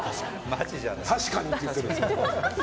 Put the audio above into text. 確かにって言ってる。